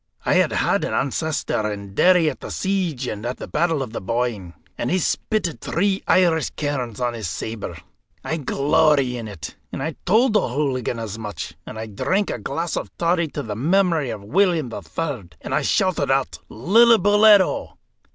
I had had an ancestor in Derry at the siege and at the Battle of the Boyne, and he spitted three Irish kerns on his sabre. I glory in it, and I told O'Hooligan as much, and I drank a glass of toddy to the memory of William III., and I shouted out Lillibulero!